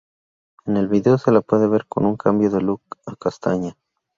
En el vídeo se la puede ver con un cambio de look a castaña.